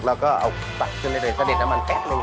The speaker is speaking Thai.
เราก็เอาปัดขึ้นได้เลยสะเด็ดน้ำมันแป๊บหนึ่ง